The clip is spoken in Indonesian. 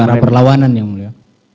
karena perlawanan yang mulia